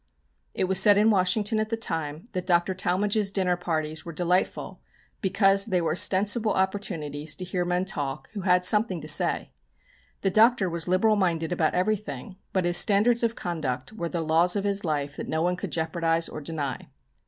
It was said in Washington at the time that Dr. Talmage's dinner parties were delightful, because they were ostensible opportunities to hear men talk who had something to say. The Doctor was liberal minded about everything, but his standards of conduct were the laws of his life that no one could jeopardise or deny.